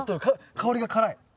香りが辛い。